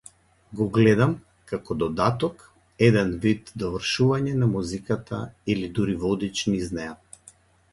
Го гледам како додаток, еден вид довршување на музиката, или дури водич низ неа.